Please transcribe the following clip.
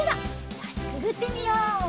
よしくぐってみよう。